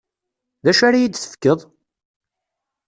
D acu ara yi-d-tefkeḍ?